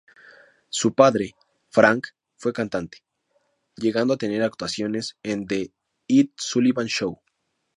Su padre, Frank, fue cantante, llegando a tener actuaciones en The Ed Sullivan Show.